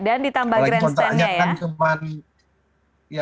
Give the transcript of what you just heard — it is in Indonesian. ditambah grandstand nya ya